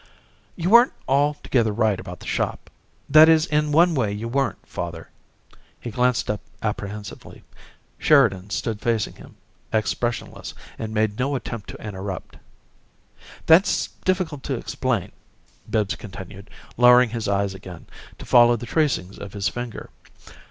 "You weren't altogether right about the shop that is, in one way you weren't, father." He glanced up apprehensively. Sheridan stood facing him, expressionless, and made no attempt to interrupt. "That's difficult to explain," Bibbs continued, lowering his eyes again, to follow the tracings of his finger.